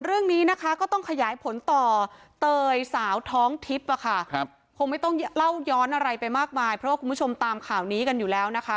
เรื่องนี้นะคะก็ต้องขยายผลต่อเตยสาวท้องทิพย์คงไม่ต้องเล่าย้อนอะไรไปมากมายเพราะว่าคุณผู้ชมตามข่าวนี้กันอยู่แล้วนะคะ